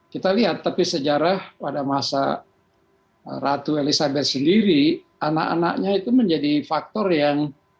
kita lihat tapi sejarah pada masa ratu elizabeth sendiri anak anaknya itu menjadi faktor yang